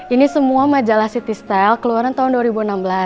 ini semua majalah ct style keluaran tahun dua ribu enam belas